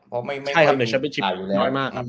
ใช่เดี๋ยวฉันไปชิปน้อยมาก